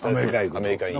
アメリカに。